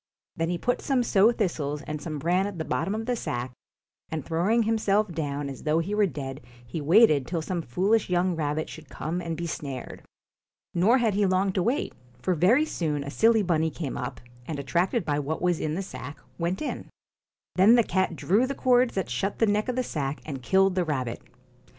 Then he put some sow thistles and some bran at the bottom of the sack, and throwing" himself down as though he were dead, he waited till some foolish young rabbit should come and be snared. Nor had he long to wait, for very soon a silly bunny came up, and attracted by what was in the sack, went in. Then the cat drew the cords that shut the neck of the sack and killed the rabbit.